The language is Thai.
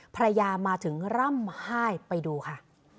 มาถึงร่ำไห้ไปดูค่ะ